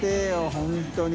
本当に。